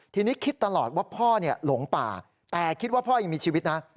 ทีนี้คิดตลอดว่าพ่อหลงป่าแต่คิดว่าพ่อยังมีชีวิตนะ